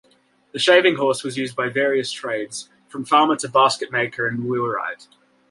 The shaving horse was used by various trades, from farmer to basketmaker and wheelwright.